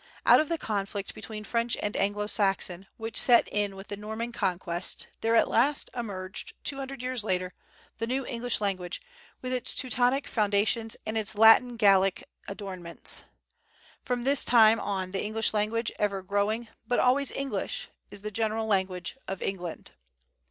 Out of the conflict between French and Anglo Saxon which set in with the Norman Conquest there at last emerged, two hundred years later, the new English language, with its Teutonic foundations and its Latin Gallic adornments. From this time on the English language, ever growing, but always English, is the general language of England.